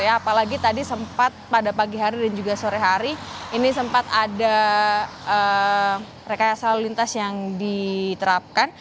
apalagi tadi sempat pada pagi hari dan juga sore hari ini sempat ada rekayasa lalu lintas yang diterapkan